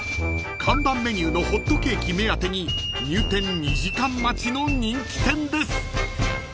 ［看板メニューのホットケーキ目当てに入店２時間待ちの人気店です］